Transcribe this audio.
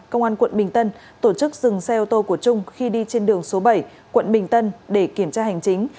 công an quận bình tân tổ chức dừng xe ô tô của trung khi đi trên đường số bảy quận bình tân để kiểm tra hành chính